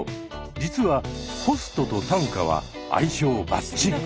実はホストと短歌は相性バッチリ。